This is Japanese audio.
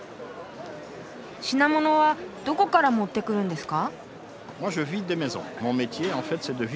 品物はどこから持ってくるんですか？